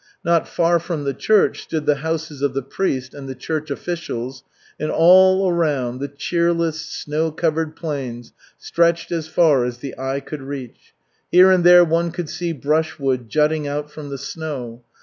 Not far from the church stood the houses of the priest and the church officials and all around the cheerless, snow covered plains stretched as far as the eye could reach. Here and there one could see brushwood jutting out from the snow.